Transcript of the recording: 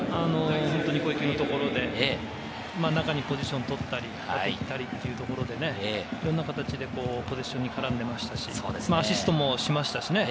攻撃のところで中にポジションを取ったりというところでいろんな形でポジションに絡んでいましたし、アシストもしましたしね。